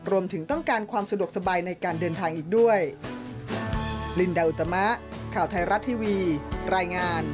รวมถึงต้องการความสะดวกสบายในการเดินทางอีกด้วย